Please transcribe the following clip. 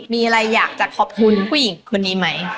มีอะไรอยากจะขอบคุณผู้หญิงคนนี้ไหม